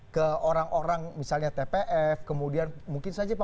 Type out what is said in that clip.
ke orang orang misalnya tpf kemudian mungkin saja